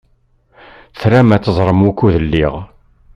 Tram ad teẓṛem wukud lliɣ?